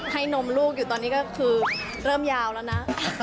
นมลูกอยู่ตอนนี้ก็คือเริ่มยาวแล้วนะ